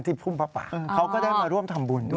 พุ่มพระป่าเขาก็ได้มาร่วมทำบุญด้วย